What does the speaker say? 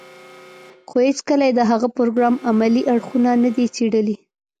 خو هېڅکله يې د هغه پروګرام عملي اړخونه نه دي څېړلي.